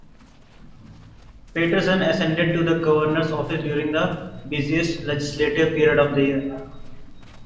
Paterson ascended to the governor's office during the busiest legislative period of the year.